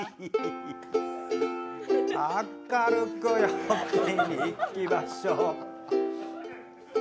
明るく、陽気に、いきましょう。